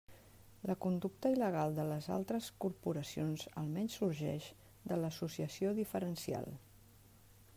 La conducta il·legal de les altres corporacions almenys sorgeix de l'associació diferencial.